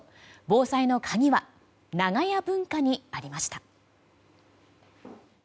防災の鍵は長屋文化にありました。